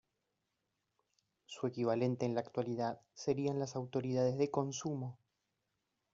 Su equivalente en la actualidad serían las autoridades de consumo.